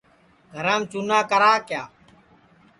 گھرام چُنا کرا کیا